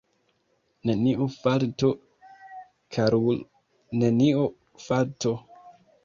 Neniu falto, karul’, neniu falto!